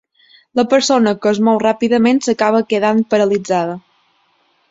La persona que es mou ràpidament s'acaba quedant paralitzada.